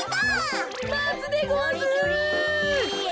まつでごわす。